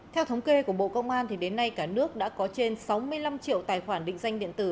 theo thống kê của bộ công an đến nay cả nước đã có trên sáu mươi năm triệu tài khoản định danh điện tử